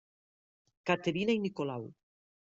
Caterina i Nicolau.